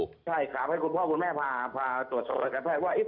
ใช่ครับให้คุณพ่อคุณแม่พาตรวจสอบรายการแพทย์ว่า